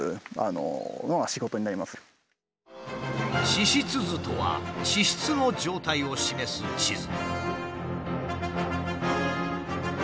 地質図とは地質の状態を示す地図。